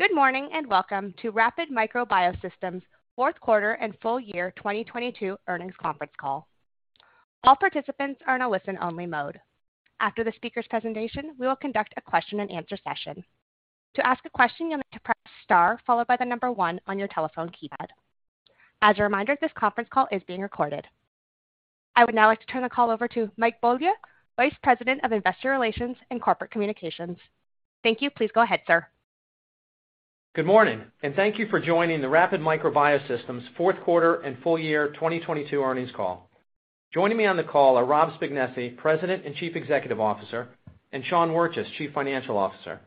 Good morning, welcome to Rapid Micro Biosystems' fourth quarter and full year 2022 earnings conference call. All participants are in a listen-only mode. After the speaker's presentation, we will conduct a question-and-answer session. To ask a question, you'll need to press star followed by one on your telephone keypad. As a reminder, this conference call is being recorded. I would now like to turn the call over to Michael Beaulieu, Vice President of Investor Relations and Corporate Communications. Thank you. Please go ahead, sir. Good morning, thank you for joining the Rapid Micro Biosystems fourth quarter and full year 2022 earnings call. Joining me on the call are Rob Spignesi, President and Chief Executive Officer, and Sean Wirtjes, Chief Financial Officer.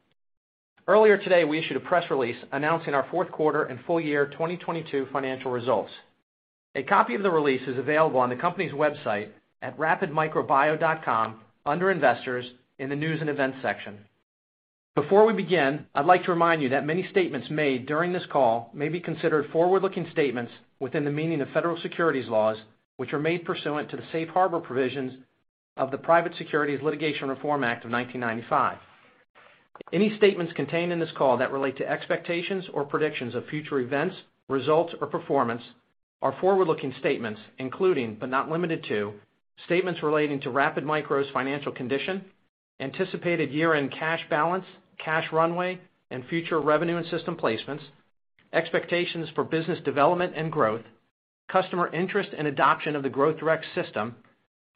Earlier today, we issued a press release announcing our fourth quarter and full year 2022 financial results. A copy of the release is available on the company's website at rapidmicrobio.com under Investors in the News & Events section. Before we begin, I'd like to remind you that many statements made during this call may be considered forward-looking statements within the meaning of federal securities laws, which are made pursuant to the Safe Harbor provisions of the Private Securities Litigation Reform Act of 1995. Any statements contained in this call that relate to expectations or predictions of future events, results, or performance are forward-looking statements, including, but not limited to, statements relating to Rapid Micro's financial condition, anticipated year-end cash balance, cash runway, and future revenue and system placements, expectations for business development and growth, customer interest and adoption of the Growth Direct System,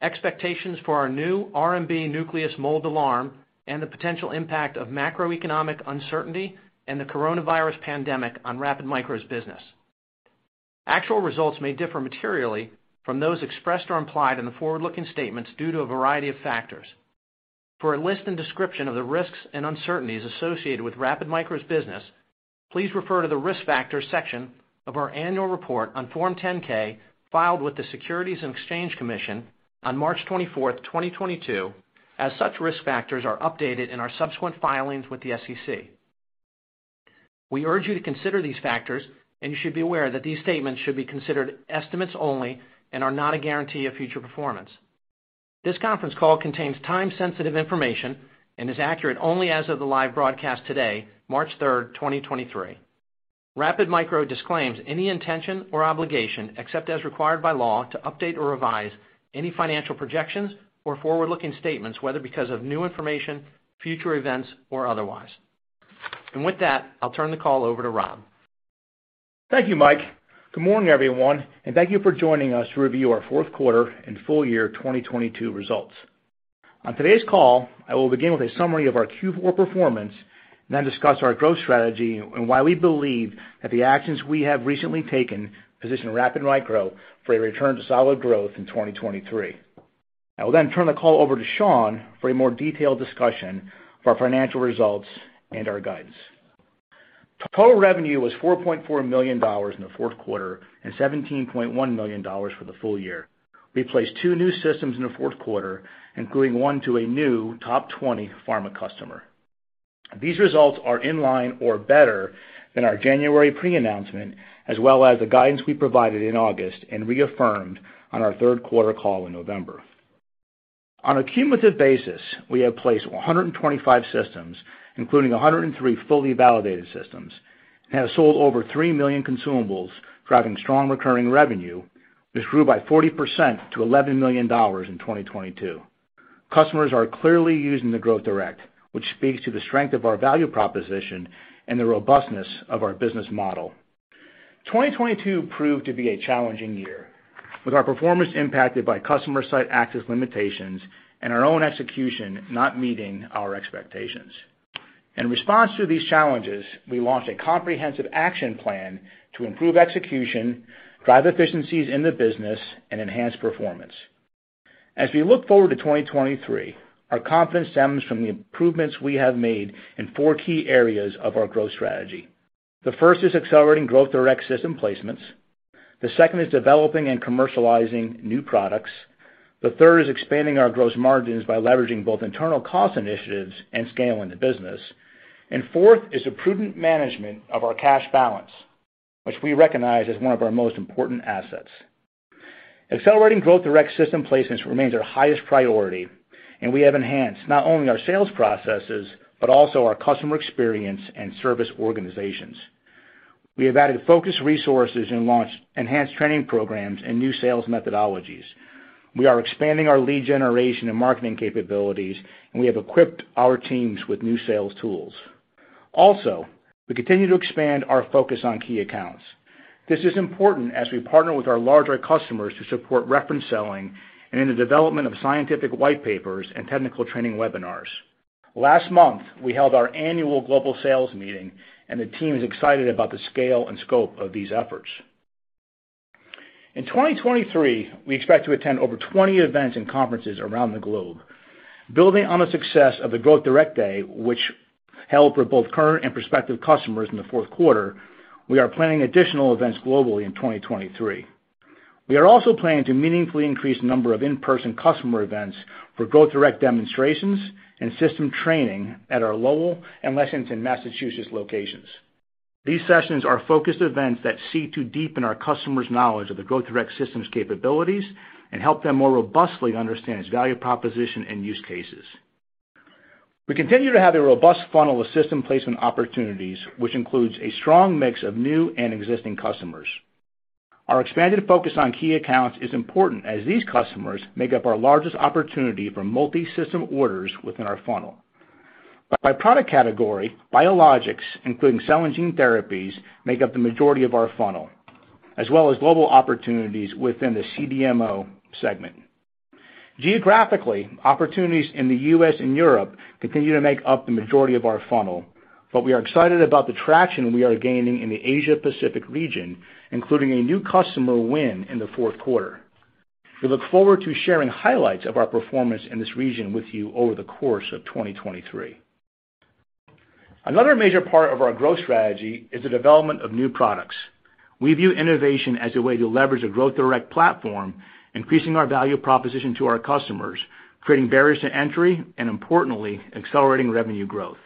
expectations for our new RMBNucleus Mold Alarm, and the potential impact of macroeconomic uncertainty and the coronavirus pandemic on Rapid Micro's business. Actual results may differ materially from those expressed or implied in the forward-looking statements due to a variety of factors. For a list and description of the risks and uncertainties associated with Rapid Micro's business, please refer to the Risk Factors section of our annual report on Form 10-K filed with the Securities and Exchange Commission on March 24th, 2022, as such risk factors are updated in our subsequent filings with the SEC. We urge you to consider these factors, and you should be aware that these statements should be considered estimates only and are not a guarantee of future performance. This conference call contains time-sensitive information and is accurate only as of the live broadcast today, March 3rd, 2023. Rapid Micro disclaims any intention or obligation, except as required by law, to update or revise any financial projections or forward-looking statements, whether because of new information, future events, or otherwise. With that, I'll turn the call over to Rob. Thank you, Mike. Good morning, everyone, and thank you for joining us to review our fourth quarter and full year 2022 results. On today's call, I will begin with a summary of our Q4 performance and then discuss our growth strategy and why we believe that the actions we have recently taken position Rapid Micro for a return to solid growth in 2023. I will turn the call over to Sean for a more detailed discussion of our financial results and our guidance. Total revenue was $4.4 million in the fourth quarter and $17.1 million for the full year. We placed two new systems in the fourth quarter, including one to a new top 20 pharma customer. These results are in line or better than our January pre-announcement, as well as the guidance we provided in August and reaffirmed on our third quarter call in November. On a cumulative basis, we have placed 125 systems, including 103 fully validated systems, and have sold over 3 million consumables, driving strong recurring revenue, which grew by 40% to $11 million in 2022. Customers are clearly using the Growth Direct, which speaks to the strength of our value proposition and the robustness of our business model. 2022 proved to be a challenging year, with our performance impacted by customer site access limitations and our own execution not meeting our expectations. In response to these challenges, we launched a comprehensive action plan to improve execution, drive efficiencies in the business, and enhance performance. As we look forward to 2023, our confidence stems from the improvements we have made in four key areas of our growth strategy. The first is accelerating Growth Direct System placements. The second is developing and commercializing new products. The third is expanding our gross margins by leveraging both internal cost initiatives and scaling the business. Fourth is the prudent management of our cash balance, which we recognize as one of our most important assets. Accelerating Growth Direct System placements remains our highest priority, and we have enhanced not only our sales processes, but also our customer experience and service organizations. We have added focused resources and launched enhanced training programs and new sales methodologies. We are expanding our lead generation and marketing capabilities, and we have equipped our teams with new sales tools. We continue to expand our focus on key accounts. This is important as we partner with our larger customers to support reference selling and in the development of scientific white papers and technical training webinars. Last month, we held our annual global sales meeting and the team is excited about the scale and scope of these efforts. In 2023, we expect to attend over 20 events and conferences around the globe. Building on the success of the Growth Direct Day, which held for both current and prospective customers in the fourth quarter, we are planning additional events globally in 2023. We are also planning to meaningfully increase the number of in-person customer events for Growth Direct demonstrations and system training at our Lowell and Lexington, Massachusetts locations. These sessions are focused events that seek to deepen our customers' knowledge of the Growth Direct System's capabilities and help them more robustly understand its value proposition and use cases. We continue to have a robust funnel of system placement opportunities, which includes a strong mix of new and existing customers. Our expanded focus on key accounts is important, as these customers make up our largest opportunity for multi-system orders within our funnel. By product category, biologics, including cell and gene therapies, make up the majority of our funnel, as well as global opportunities within the CDMO segment. Geographically, opportunities in the U.S. and Europe continue to make up the majority of our funnel. We are excited about the traction we are gaining in the Asia-Pacific region, including a new customer win in the fourth quarter. We look forward to sharing highlights of our performance in this region with you over the course of 2023. Another major part of our growth strategy is the development of new products. We view innovation as a way to leverage a Growth Direct platform, increasing our value proposition to our customers, creating barriers to entry, and importantly, accelerating revenue growth.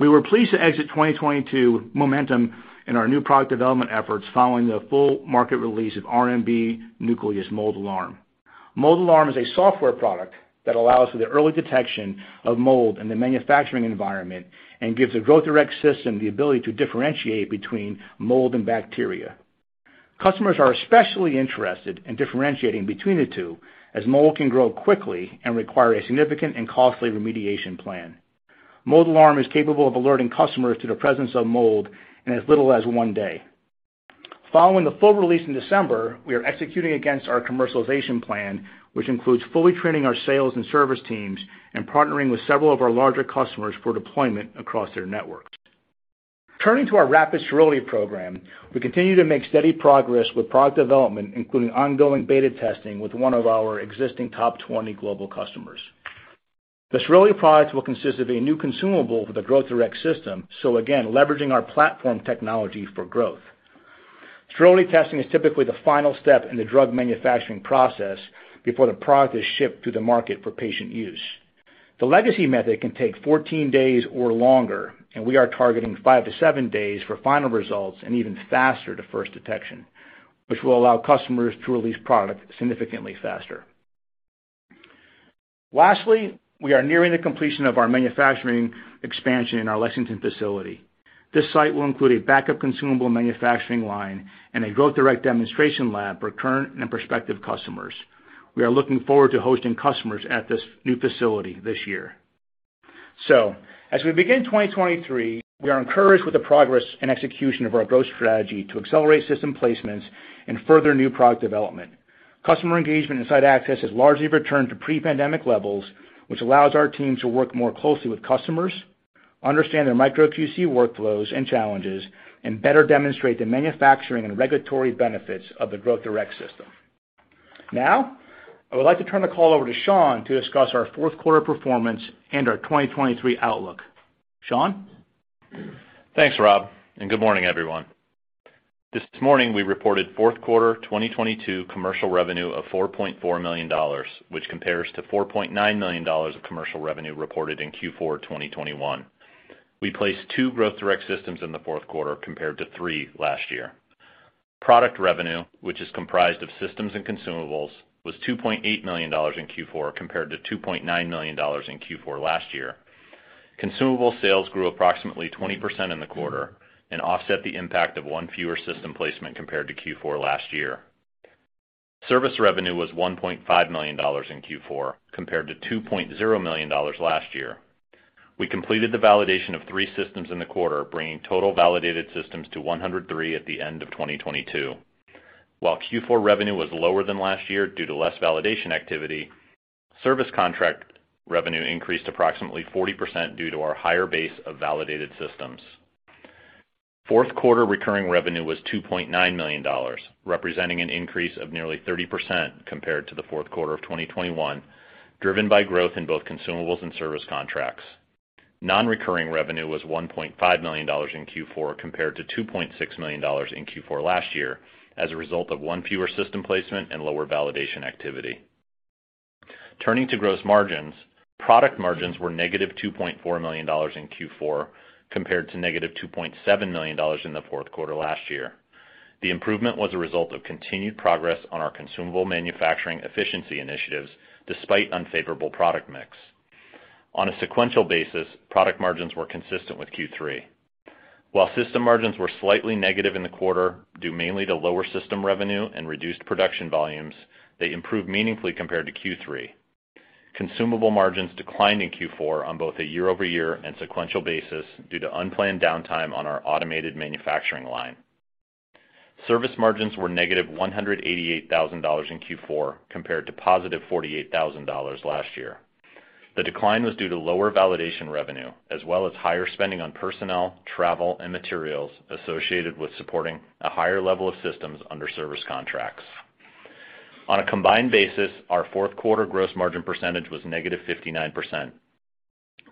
We were pleased to exit 2022 with momentum in our new product development efforts following the full market release of RMBNucleus Mold Alarm. Mold Alarm is a software product that allows for the early detection of mold in the manufacturing environment and gives the Growth Direct System the ability to differentiate between mold and bacteria. Customers are especially interested in differentiating between the two, as mold can grow quickly and require a significant and costly remediation plan. Mold Alarm is capable of alerting customers to the presence of mold in as little as one day. Following the full release in December, we are executing against our commercialization plan, which includes fully training our sales and service teams and partnering with several of our larger customers for deployment across their networks. Turning to our rapid sterility program, we continue to make steady progress with product development, including ongoing beta testing with one of our existing top 20 global customers. The sterility products will consist of a new consumable for the Growth Direct System, so again, leveraging our platform technology for growth. Sterility testing is typically the final step in the drug manufacturing process before the product is shipped to the market for patient use. The legacy method can take 14 days or longer, and we are targeting 5-7 days for final results and even faster to first detection, which will allow customers to release product significantly faster. Lastly, we are nearing the completion of our manufacturing expansion in our Lexington facility. This site will include a backup consumable manufacturing line and a Growth Direct demonstration lab for current and prospective customers. We are looking forward to hosting customers at this new facility this year. As we begin 2023, we are encouraged with the progress and execution of our growth strategy to accelerate system placements and further new product development. Customer engagement and site access has largely returned to pre-pandemic levels, which allows our teams to work more closely with customers, understand their micro QC workflows and challenges, and better demonstrate the manufacturing and regulatory benefits of the Growth Direct System. Now, I would like to turn the call over to Sean to discuss our fourth quarter performance and our 2023 outlook. Sean? Thanks, Rob. Good morning, everyone. This morning, we reported fourth quarter 2022 commercial revenue of $4.4 million, which compares to $4.9 million of commercial revenue reported in Q4 2021. We placed two Growth Direct Systems in the fourth quarter compared to three last year. Product revenue, which is comprised of systems and consumables, was $2.8 million in Q4 compared to $2.9 million in Q4 last year. Consumable sales grew approximately 20% in the quarter and offset the impact of one fewer system placement compared to Q4 last year. Service revenue was $1.5 million in Q4 compared to $2.0 million last year. We completed the validation of three systems in the quarter, bringing total validated systems to 103 at the end of 2022. While Q4 revenue was lower than last year due to less validation activity, service contract revenue increased approximately 40% due to our higher base of validated systems. Fourth quarter recurring revenue was $2.9 million, representing an increase of nearly 30% compared to the fourth quarter of 2021, driven by growth in both consumables and service contracts. Non-recurring revenue was $1.5 million in Q4 compared to $2.6 million in Q4 last year as a result of one fewer system placement and lower validation activity. Turning to gross margins, product margins were -$2.4 million in Q4 compared to -$2.7 million in the fourth quarter last year. The improvement was a result of continued progress on our consumable manufacturing efficiency initiatives despite unfavorable product mix. On a sequential basis, product margins were consistent with Q3. While system margins were slightly negative in the quarter, due mainly to lower system revenue and reduced production volumes, they improved meaningfully compared to Q3. Consumable margins declined in Q4 on both a year-over-year and sequential basis due to unplanned downtime on our automated manufacturing line. Service margins were -$188,000 in Q4 compared to +$48,000 last year. The decline was due to lower validation revenue as well as higher spending on personnel, travel, and materials associated with supporting a higher level of systems under service contracts. On a combined basis, our fourth quarter gross margin percentage was -59%.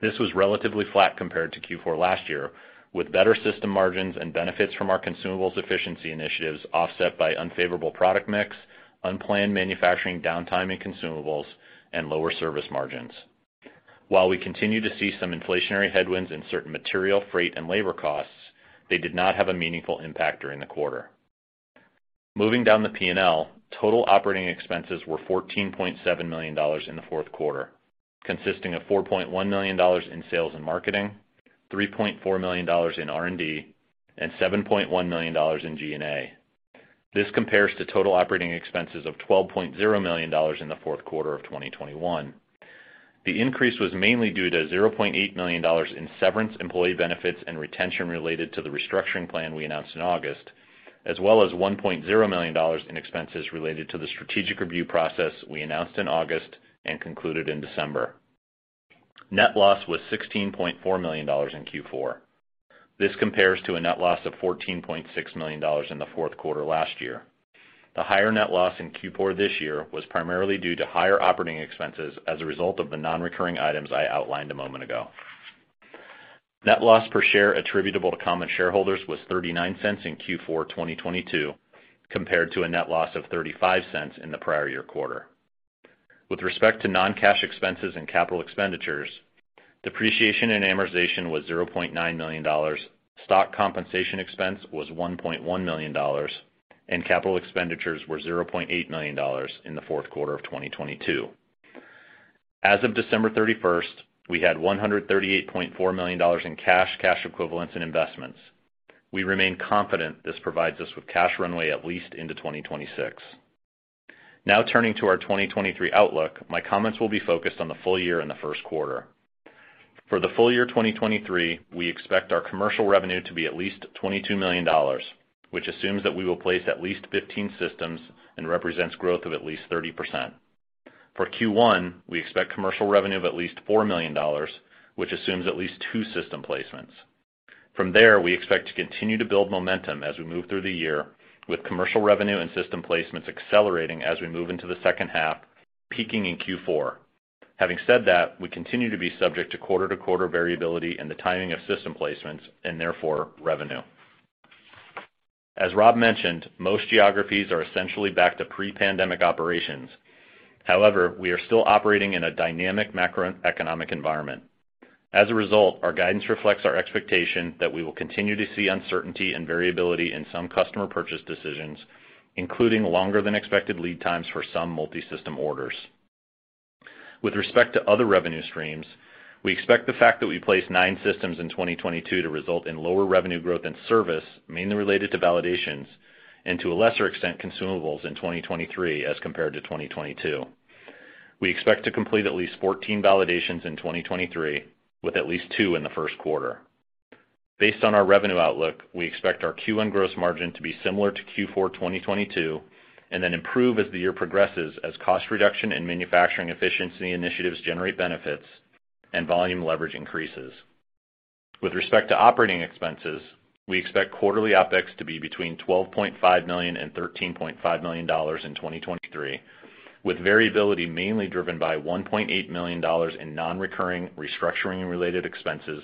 This was relatively flat compared to Q4 last year with better system margins and benefits from our consumables efficiency initiatives offset by unfavorable product mix, unplanned manufacturing downtime and consumables, and lower service margins. We continue to see some inflationary headwinds in certain material, freight, and labor costs, they did not have a meaningful impact during the quarter. Moving down the P&L, total operating expenses were $14.7 million in the fourth quarter, consisting of $4.1 million in sales and marketing, $3.4 million in R&D, and $7.1 million in G&A. This compares to total operating expenses of $12.0 million in the fourth quarter of 2021. The increase was mainly due to $0.8 million in severance employee benefits and retention related to the restructuring plan we announced in August, as well as $1.0 million in expenses related to the strategic review process we announced in August and concluded in December. Net loss was $16.4 million in Q4. This compares to a net loss of $14.6 million in the fourth quarter last year. The higher net loss in Q4 this year was primarily due to higher operating expenses as a result of the non-recurring items I outlined a moment ago. Net loss per share attributable to common shareholders was $0.39 in Q4 2022, compared to a net loss of $0.35 in the prior year quarter. With respect to non-cash expenses and capital expenditures, depreciation and amortization was $0.9 million. Stock compensation expense was $1.1 million, and capital expenditures were $0.8 million in the fourth quarter of 2022. As of December 31st, we had $138.4 million in cash equivalents, and investments. We remain confident this provides us with cash runway at least into 2026. Turning to our 2023 outlook, my comments will be focused on the full year and the first quarter. For the full year 2023, we expect our commercial revenue to be at least $22 million, which assumes that we will place at least 15 systems and represents growth of at least 30%. For Q1, we expect commercial revenue of at least $4 million, which assumes at least two system placements. From there, we expect to continue to build momentum as we move through the year with commercial revenue and system placements accelerating as we move into the second half, peaking in Q4. Having said that, we continue to be subject to quarter-to-quarter variability in the timing of system placements and therefore revenue. As Rob mentioned, most geographies are essentially back to pre-pandemic operations. However, we are still operating in a dynamic macroeconomic environment. As a result, our guidance reflects our expectation that we will continue to see uncertainty and variability in some customer purchase decisions, including longer than expected lead times for some multi-system orders. With respect to other revenue streams, we expect the fact that we placed nine systems in 2022 to result in lower revenue growth and service mainly related to validations and to a lesser extent, consumables in 2023 as compared to 2022. We expect to complete at least 14 validations in 2023 with at least two in the first quarter. Based on our revenue outlook, we expect our Q1 gross margin to be similar to Q4 2022 and then improve as the year progresses as cost reduction and manufacturing efficiency initiatives generate benefits and volume leverage increases. With respect to operating expenses, we expect quarterly OpEx to be between $12.5 million and $13.5 million in 2023, with variability mainly driven by $1.8 million in non-recurring restructuring and related expenses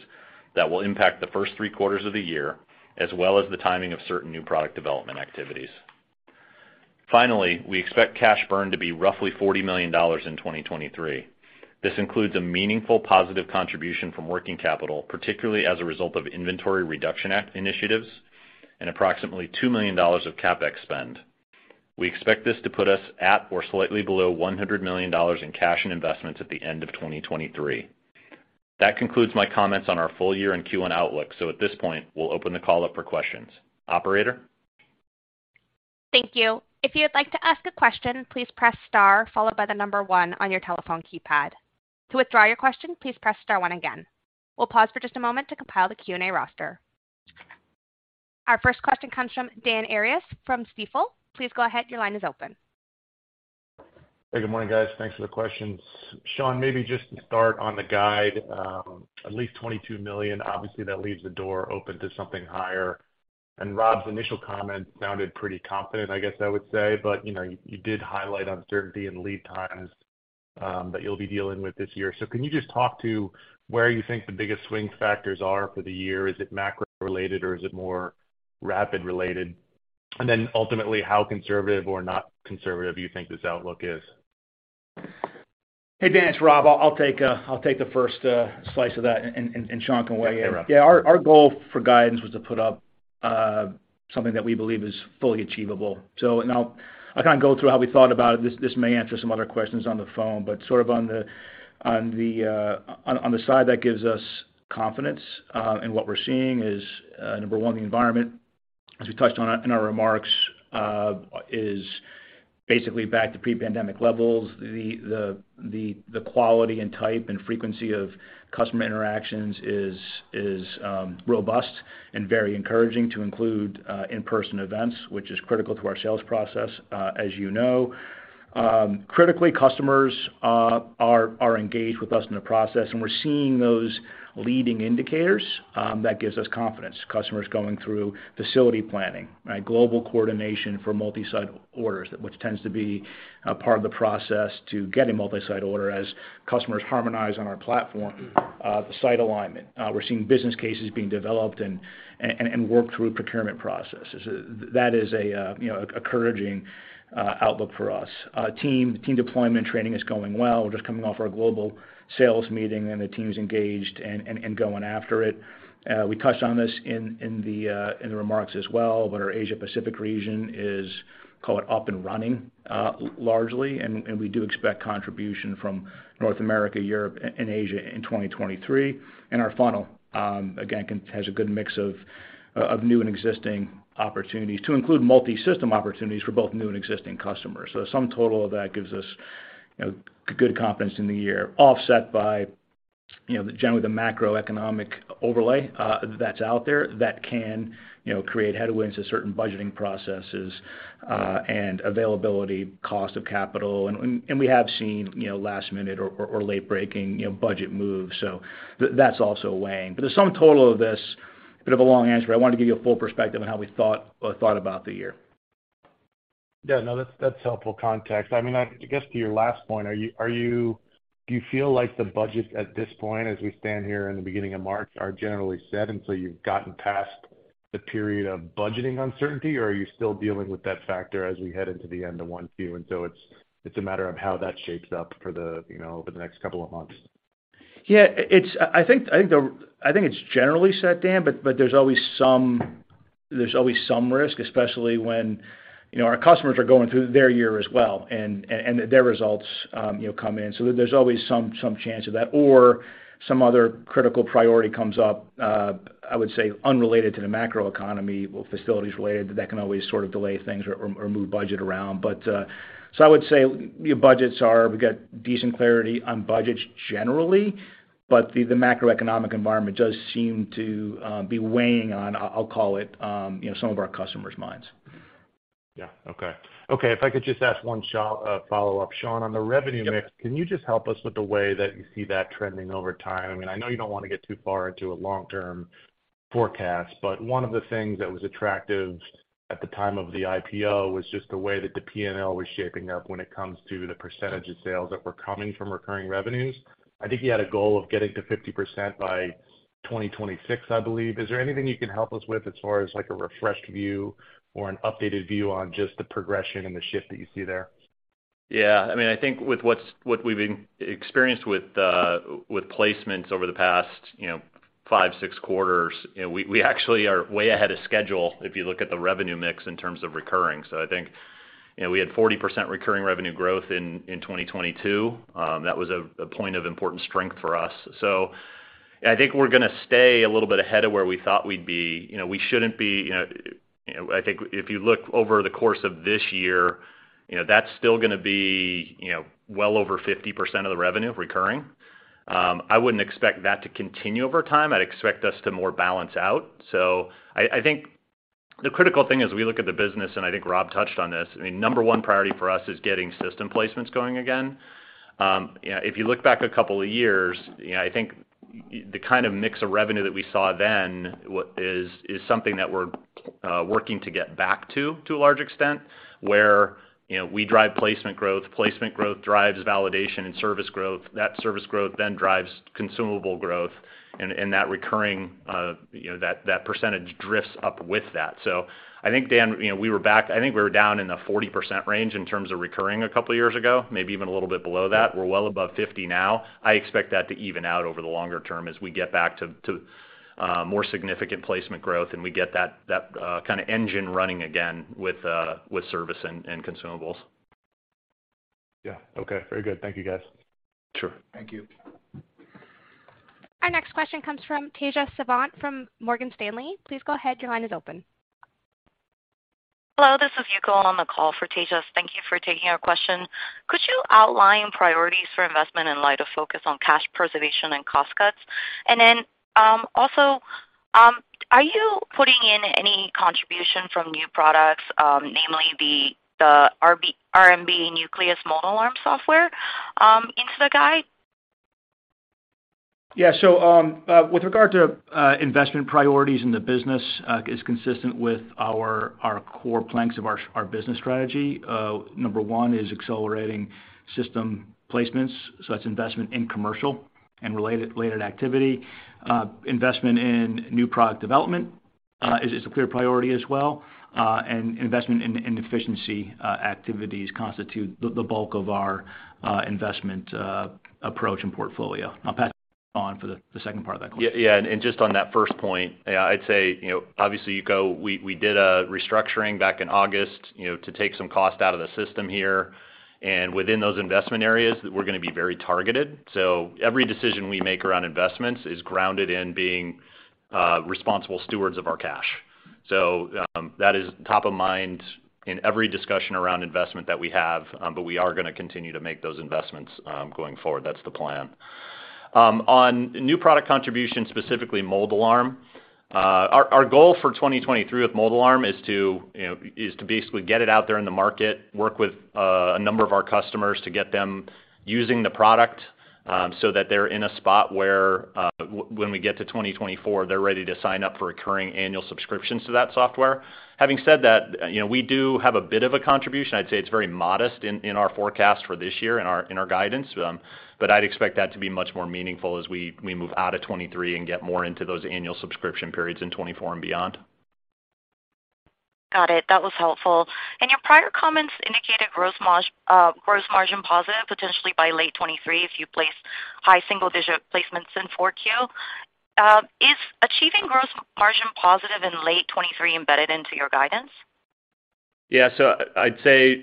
that will impact the first three quarters of the year, as well as the timing of certain new product development activities. Finally, we expect cash burn to be roughly $40 million in 2023. This includes a meaningful positive contribution from working capital, particularly as a result of inventory reduction initiatives and approximately $2 million of CapEx spend. We expect this to put us at or slightly below $100 million in cash and investments at the end of 2023. That concludes my comments on our full year and Q1 outlook. At this point, we'll open the call up for questions. Operator? Thank you. If you would like to ask a question, please press star followed by the number one on your telephone keypad. To withdraw your question, please press star one again. We'll pause for just a moment to compile the Q&A roster. Our first question comes from Dan Arias from Stifel. Please go ahead. Your line is open. Hey, good morning, guys. Thanks for the questions. Sean, maybe just to start on the guide, at least $22 million. Obviously, that leaves the door open to something higher. Rob's initial comment sounded pretty confident, I guess I would say. You know, you did highlight uncertainty and lead times, that you'll be dealing with this year. Can you just talk to where you think the biggest swing factors are for the year? Is it macro-related or is it more Rapid related? Then ultimately, how conservative or not conservative you think this outlook is? Hey, Dan, it's Rob. I'll take the first slice of that and Sean can weigh in. Yeah. Our goal for guidance was to put up something that we believe is fully achievable. Now I'll kind of go through how we thought about it. This may answer some other questions on the phone, but sort of on the side that gives us confidence in what we're seeing is number one, the environment, as we touched on in our remarks, is basically back to pre-pandemic levels. The quality and type and frequency of customer interactions is robust and very encouraging to include in-person events, which is critical to our sales process, as you know. Critically, customers are engaged with us in the process, and we're seeing those leading indicators that gives us confidence. Customers going through facility planning, right? Global coordination for multi-site orders, which tends to be a part of the process to getting multi-site order as customers harmonize on our platform, the site alignment. We're seeing business cases being developed and work through procurement processes. That is a, you know, a encouraging, outlook for us. Our team deployment training is going well, just coming off our global sales meeting, and the team is engaged and going after it. We touched on this in the remarks as well, but our Asia-Pacific region is, call it, up and running, largely, and we do expect contribution from North America, Europe, and Asia in 2023. Our funnel, again, has a good mix of new and existing opportunities to include multi-system opportunities for both new and existing customers. The sum total of that gives us, you know, good confidence in the year, offset by, you know, the generally the macroeconomic overlay that's out there that can, you know, create headwinds to certain budgeting processes and availability, cost of capital. We have seen, you know, last minute or late-breaking, you know, budget moves. That's also weighing. The sum total of this, a bit of a long answer. I wanted to give you a full perspective on how we thought about the year. No, that's helpful context. I mean, I guess to your last point, are you do you feel like the budget at this point, as we stand here in the beginning of March, are generally set, you've gotten past the period of budgeting uncertainty? Or are you still dealing with that factor as we head into the end of 1Q, it's a matter of how that shapes up for the, you know, over the next couple of months? Yeah. I think it's generally set, Dan, but there's always some risk, especially when, you know, our customers are going through their year as well and their results, you know, come in. There's always some chance of that or some other critical priority comes up, I would say unrelated to the macroeconomy, or facilities related, that can always sort of delay things or move budget around. I would say your budgets are. We've got decent clarity on budgets generally, but the macroeconomic environment does seem to be weighing on, I'll call it, you know, some of our customers' minds. Yeah. Okay, if I could just ask one follow-up. Sean, on the revenue mix, can you just help us with the way that you see that trending over time? I mean, I know you don't want to get too far into a long-term forecast. One of the things that was attractive at the time of the IPO was just the way that the P&L was shaping up when it comes to the percentage of sales that were coming from recurring revenues. I think you had a goal of getting to 50% by 2026, I believe. Is there anything you can help us with as far as, like, a refreshed view or an updated view on just the progression and the shift that you see there? I mean, I think with what we've experienced with placements over the past, you know, 5-6 quarters, you know, we actually are way ahead of schedule if you look at the revenue mix in terms of recurring. I think, you know, we had 40% recurring revenue growth in 2022. That was a point of important strength for us. I think we're gonna stay a little bit ahead of where we thought we'd be. You know, we shouldn't be, you know. I think if you look over the course of this year, you know, that's still gonna be, you know, well over 50% of the revenue recurring. I wouldn't expect that to continue over time. I'd expect us to more balance out. I think the critical thing as we look at the business, and I think Rob touched on this, I mean, number one priority for us is getting system placements going again. If you look back a couple of years, you know, I think the kind of mix of revenue that we saw then is something that we're working to get back to a large extent, where, you know, we drive placement growth, placement growth drives validation and service growth. That service growth then drives consumable growth, and that recurring, you know, that percentage drifts up with that. I think, Dan, you know, I think we were down in the 40% range in terms of recurring a couple of years ago, maybe even a little bit below that. We're well above 50% now. I expect that to even out over the longer term as we get back to more significant placement growth and we get that kind of engine running again with service and consumables. Yeah. Very good. Thank you, guys. Sure. Thank you. Our next question comes from Tejas Savant from Morgan Stanley. Please go ahead, your line is open. Hello, this is Yuko on the call for Tejas. Thank you for taking our question. Could you outline priorities for investment in light of focus on cash preservation and cost cuts? Also, are you putting in any contribution from new products, namely the RMBNucleus Mold Alarm software, into the guide? With regard to investment priorities in the business is consistent with our core planks of our business strategy. Number one is accelerating system placements, so that's investment in commercial and related activity. Investment in new product development is a clear priority as well, and investment in efficiency activities constitute the bulk of our investment approach and portfolio. I'll pass on for the second part of that question. Yeah. Just on that first point, I'd say, you know, obviously, Yuko, we did a restructuring back in August, you know, to take some cost out of the system here. Within those investment areas, we're gonna be very targeted. Every decision we make around investments is grounded in being responsible stewards of our cash. That is top of mind in every discussion around investment that we have, but we are gonna continue to make those investments going forward. That's the plan. On new product contribution, specifically Mold Alarm, our goal for 2023 with Mold Alarm is to, you know, is to basically get it out there in the market, work with a number of our customers to get them using the product, so that they're in a spot where when we get to 2024, they're ready to sign up for recurring annual subscriptions to that software. Having said that, you know, we do have a bit of a contribution. I'd say it's very modest in our forecast for this year in our guidance, but I'd expect that to be much more meaningful as we move out of 2023 and get more into those annual subscription periods in 2024 and beyond. Got it. That was helpful. In your prior comments indicated gross margin positive potentially by late 2023, if you place high single digit placements in 4Q. Is achieving gross margin positive in late 2023 embedded into your guidance? I'd say,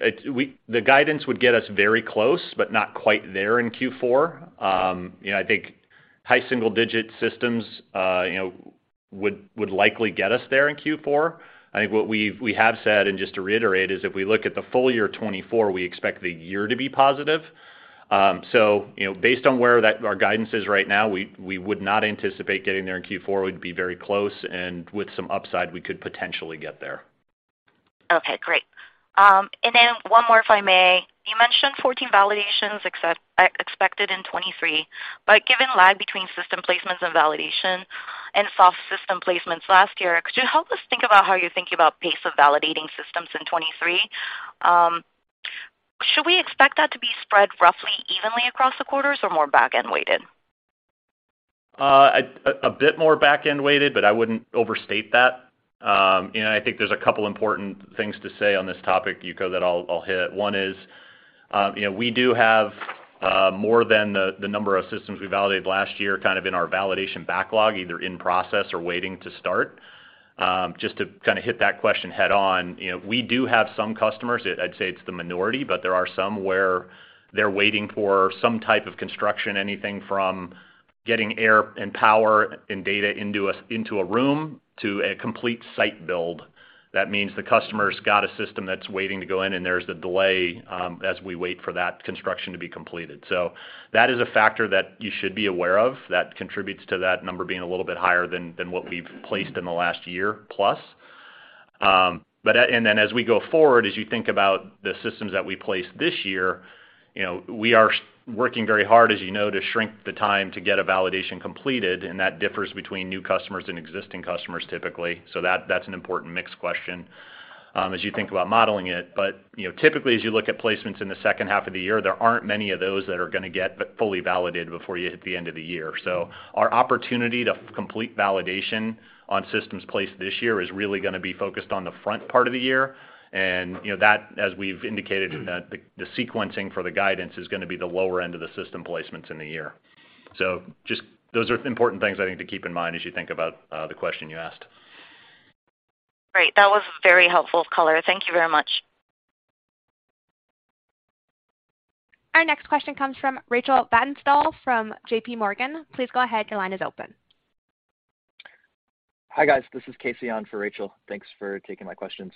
the guidance would get us very close, but not quite there in Q4. you know, I think high single-digit systems, you know, would likely get us there in Q4. I think what we have said, and just to reiterate, is if we look at the full year 2024, we expect the year to be positive. you know, based on where our guidance is right now, we would not anticipate getting there in Q4. We'd be very close, and with some upside, we could potentially get there. Okay, great. Then one more, if I may. You mentioned 14 validations expected in 2023, but given lag between system placements and validation and soft system placements last year, could you help us think about how you're thinking about pace of validating systems in 2023? Should we expect that to be spread roughly evenly across the quarters or more back-end weighted? A bit more back-end weighted, but I wouldn't overstate that. You know, I think there's a couple important things to say on this topic, Yuko, that I'll hit. One is, you know, we do have more than the number of systems we validated last year, kind of in our validation backlog, either in process or waiting to start. Just to kind of hit that question head on, you know, we do have some customers, I'd say it's the minority, but there are some where they're waiting for some type of construction, anything from getting air and power and data into a room to a complete site build. That means the customer's got a system that's waiting to go in, and there's the delay as we wait for that construction to be completed. That is a factor that you should be aware of that contributes to that number being a little bit higher than what we've placed in the last year plus. And then as we go forward, as you think about the systems that we placed this year, you know, we are working very hard, as you know, to shrink the time to get a validation completed, and that differs between new customers and existing customers typically. That's an important mix question, as you think about modeling it. You know, typically as you look at placements in the second half of the year, there aren't many of those that are going to get fully validated before you hit the end of the year. Our opportunity to complete validation on systems placed this year is really going to be focused on the front part of the year. You know, that, as we've indicated, the sequencing for the guidance is going to be the lower end of the system placements in the year. Just those are important things I think to keep in mind as you think about, the question you asked. Great. That was very helpful color. Thank you very much. Our next question comes from Rachel Vatnsdal from JPMorgan. Please go ahead. Your line is open. Hi, guys. This is Casey on for Rachel. Thanks for taking my questions.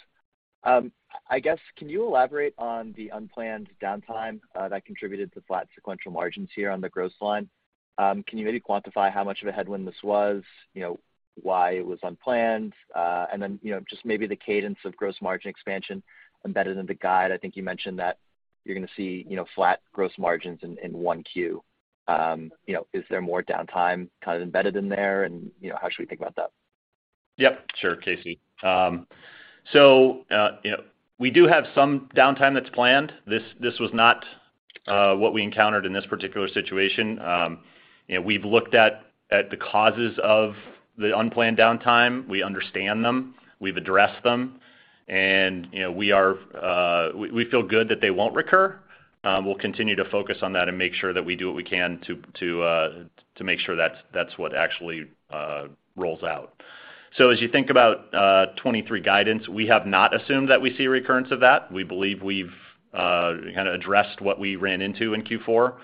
I guess, can you elaborate on the unplanned downtime that contributed to flat sequential margins here on the gross line? Can you maybe quantify how much of a headwind this was? You know, why it was unplanned? Then, you know, just maybe the cadence of gross margin expansion embedded in the guide? I think you mentioned that you're going to see, you know, flat gross margins in 1Q. You know, is there more downtime kind of embedded in there? You know, how should we think about that? Yep. Sure, Casey. You know, we do have some downtime that's planned. This was not what we encountered in this particular situation. You know, we've looked at the causes of the unplanned downtime. We understand them, we've addressed them, and, you know, we feel good that they won't recur. We'll continue to focus on that and make sure that we do what we can to make sure that's what actually rolls out. As you think about 2023 guidance, we have not assumed that we see a recurrence of that. We believe we've kind of addressed what we ran into in Q4.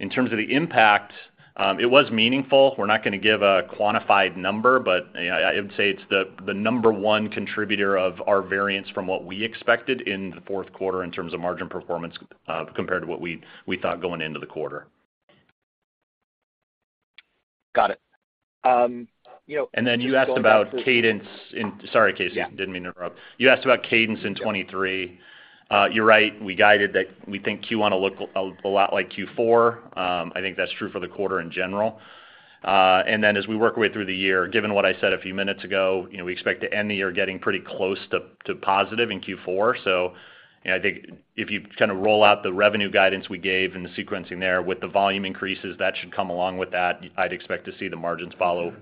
In terms of the impact, it was meaningful. We're not going to give a quantified number, but, you know, I'd say it's the number one contributor of our variance from what we expected in the fourth quarter in terms of margin performance, compared to what we thought going into the quarter. Got it. You asked about cadence in... Sorry, Casey. Yeah. Didn't mean to interrupt. You asked about cadence in 2023. You're right. We guided that we think Q1 will look a lot like Q4. I think that's true for the quarter in general. Then as we work our way through the year, given what I said a few minutes ago, you know, we expect to end the year getting pretty close to positive in Q4. You know, I think if you kind of roll out the revenue guidance we gave and the sequencing there with the volume increases that should come along with that, I'd expect to see the margins follow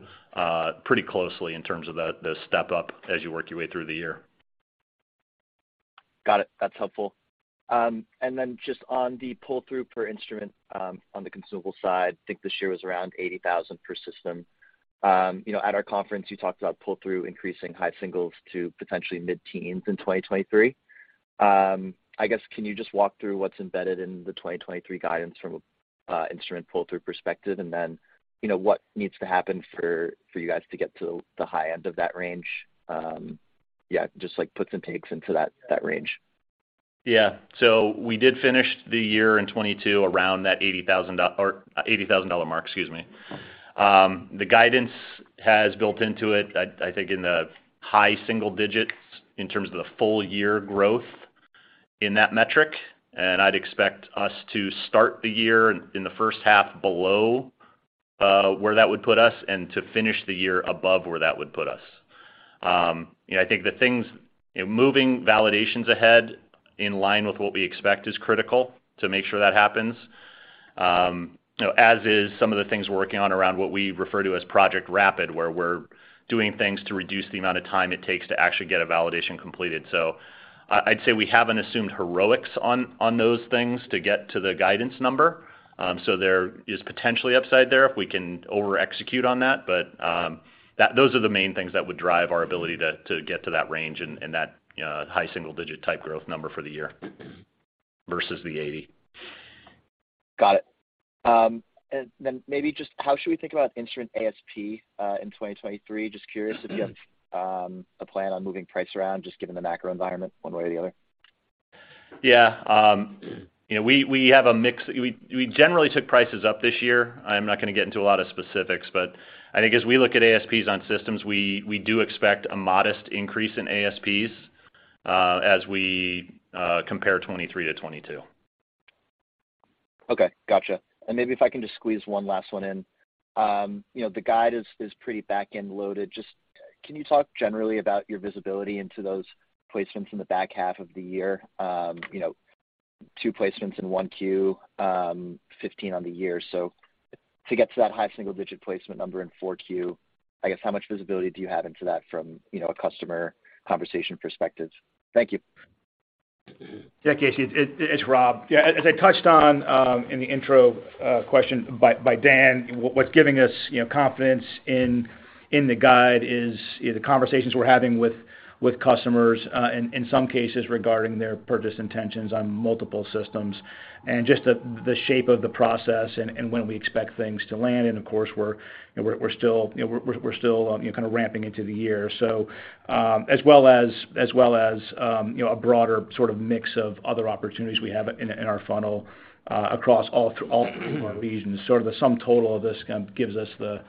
pretty closely in terms of the step-up as you work your way through the year. Got it. That's helpful. Just on the pull-through per instrument, on the consumable side, I think this year was around $80,000 per system. You know, at our conference, you talked about pull-through increasing high singles to potentially mid-teens in 2023. I guess, can you just walk through what's embedded in the 2023 guidance from a instrument pull-through perspective? You know, what needs to happen for you guys to get to the high end of that range? Yeah, puts and takes into that range. Yeah. We did finish the year in 2022 around that $80,000 mark, excuse me. The guidance has built into it, I think in the high single digits in terms of the full year growth in that metric, and I'd expect us to start the year in the first half below where that would put us and to finish the year above where that would put us. You know, I think the things. In moving validations ahead in line with what we expect is critical to make sure that happens. You know, as is some of the things we're working on around what we refer to as Project Rapid, where we're doing things to reduce the amount of time it takes to actually get a validation completed. I'd say we haven't assumed heroics on those things to get to the guidance number. So there is potentially upside there if we can over-execute on that. Those are the main things that would drive our ability to get to that range and that, you know, high single-digit type growth number for the year versus the 80. Got it. Maybe just how should we think about instrument ASP in 2023? Just curious if you have a plan on moving price around just given the macro environment one way or the other. Yeah. you know, we have a mix. We, we generally took prices up this year. I'm not gonna get into a lot of specifics, but I think as we look at ASPs on systems, we do expect a modest increase in ASPs, as we compare 2023 to 2022. Okay. Gotcha. Maybe if I can just squeeze one last one in. you know, the guide is pretty back-end loaded. Just, can you talk generally about your visibility into those placements in the back half of the year? you know, two placements in 1Q, 15 on the year. To get to that high single-digit placement number in 4Q, I guess, how much visibility do you have into that from, you know, a customer conversation perspective? Thank you. Yeah, Casey, it's Rob. Yeah, as I touched on, in the intro, question by Dan, what's giving us, you know, confidence in the guide is the conversations we're having with customers, in some cases regarding their purchase intentions on multiple systems and just the shape of the process and when we expect things to land. And of course, we're, you know, we're still, you know, we're still, you know, kind of ramping into the year. So, as well as, you know, a broader sort of mix of other opportunities we have in our funnel, across all our regions. Sort of the sum total of this kind of gives us the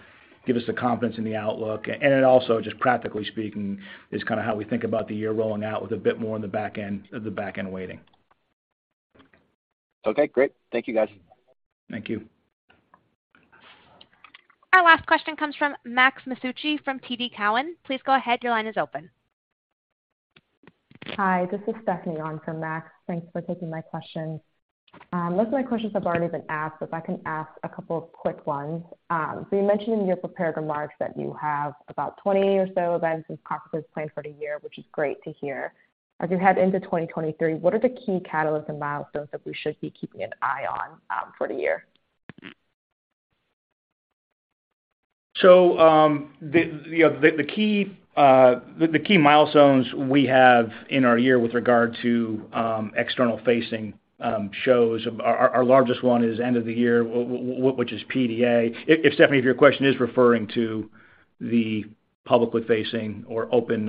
confidence in the outlook. It also, just practically speaking, is kind of how we think about the year rolling out with a bit more on the back end, the back end waiting. Okay, great. Thank you, guys. Thank you. Our last question comes from Max Masucci from TD Cowen. Please go ahead, your line is open. Hi, this is Stephanie on for Max. Thanks for taking my question. Most of my questions have already been asked, but if I can ask a couple of quick ones. You mentioned in your prepared remarks that you have about 20 or so events and conferences planned for the year, which is great to hear. As you head into 2023, what are the key catalysts and milestones that we should be keeping an eye on for the year? The, you know, the key milestones we have in our year with regard to external-facing shows of... Our largest one is end of the year, which is PDA. If Stephanie, if your question is referring to the publicly facing or open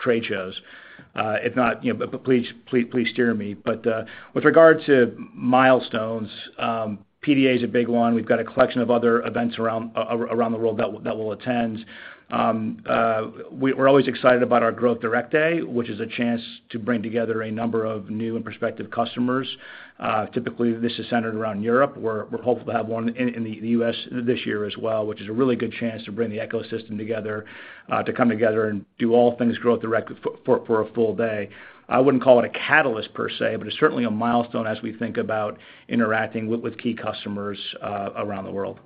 trade shows. If not, you know, please steer me. With regard to milestones, PDA is a big one. We've got a collection of other events around the world that we'll attend. We're always excited about our Growth Direct Day, which is a chance to bring together a number of new and prospective customers. Typically, this is centered around Europe. We're hopeful to have one in the U.S. this year as well, which is a really good chance to bring the ecosystem together, to come together and do all things Growth Direct for a full day. I wouldn't call it a catalyst per se, but it's certainly a milestone as we think about interacting with key customers around the world.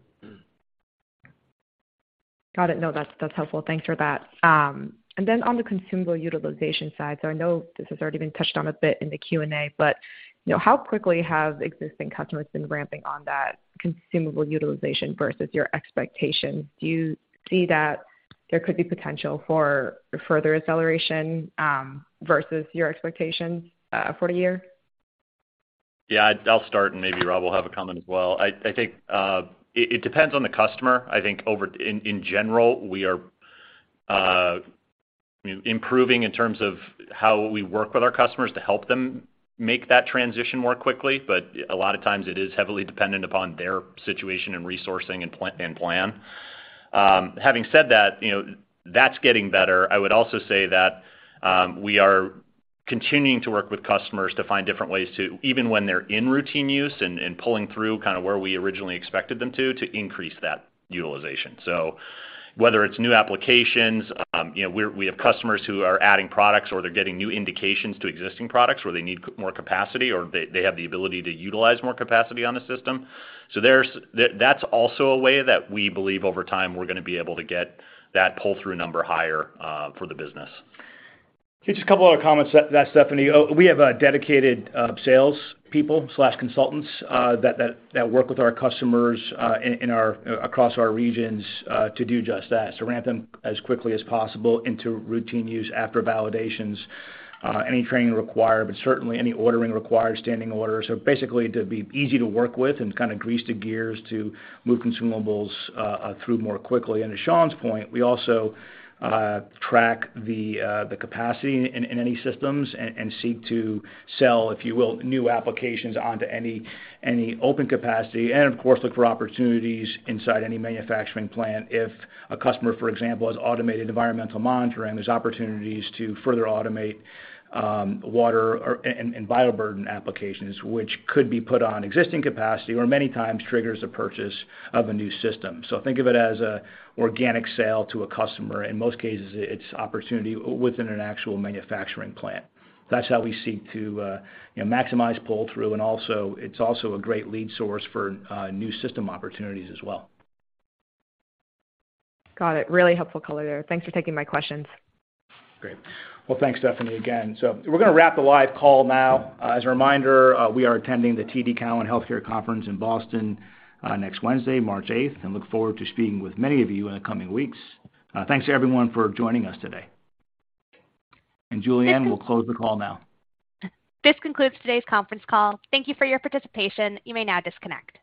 Got it. No, that's helpful. Thanks for that. On the consumable utilization side, I know this has already been touched on a bit in the Q&A, but, you know, how quickly have existing customers been ramping on that consumable utilization versus your expectations? Do you see that there could be potential for further acceleration, versus your expectations, for the year? Yeah, I'll start. Maybe Rob will have a comment as well. I think it depends on the customer. I think in general, we are improving in terms of how we work with our customers to help them make that transition more quickly. A lot of times it is heavily dependent upon their situation and resourcing and plan. Having said that, you know, that's getting better. I would also say that we are continuing to work with customers to find different ways to, even when they're in routine use and pulling through kind of where we originally expected them to increase that utilization. Whether it's new applications, you know, we have customers who are adding products or they're getting new indications to existing products where they need more capacity or they have the ability to utilize more capacity on the system. That's also a way that we believe over time we're gonna be able to get that pull-through number higher for the business. Just a couple other comments to that, Stephanie. We have a dedicated sales people/consultants that work with our customers in our across our regions to do just that, to ramp them as quickly as possible into routine use after validations, any training required, but certainly any ordering required, standing orders. Basically to be easy to work with and kind of grease the gears to move consumables through more quickly. To Sean's point, we also track the capacity in any systems and seek to sell, if you will, new applications onto any open capacity and of course, look for opportunities inside any manufacturing plant. If a customer, for example, has automated environmental monitoring, there's opportunities to further automate, water and bioburden applications, which could be put on existing capacity or many times triggers a purchase of a new system. Think of it as a organic sale to a customer. In most cases, it's opportunity within an actual manufacturing plant. That's how we seek to, you know, maximize pull-through, and also it's also a great lead source for, new system opportunities as well. Got it. Really helpful color there. Thanks for taking my questions. Great. Well, thanks, Stephanie, again. We're gonna wrap the live call now. As a reminder, we are attending the TD Cowen Healthcare Conference in Boston next Wednesday, March eighth, and look forward to speaking with many of you in the coming weeks. Thanks everyone for joining us today. Julianne, we'll close the call now. This concludes today's conference call. Thank you for your participation. You may now disconnect.